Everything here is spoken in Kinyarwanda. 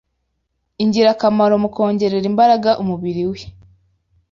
ingirakamaro mu kongerera imbaraga umubiri we